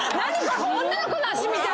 女の子の脚みたい！